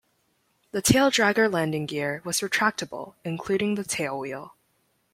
The taildragger landing gear was retractable, including the tailwheel.